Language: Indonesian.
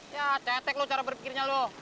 yah tetek lu cara berpikirnya lu